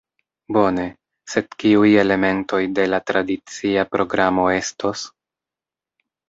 Bone, sed kiuj elementoj de la tradicia programo estos?